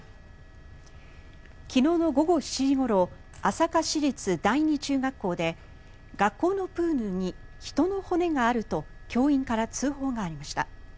昨日の午後７時ごろ朝霞市立第二中学校で学校のプールに人の骨があると教員から通報がありました。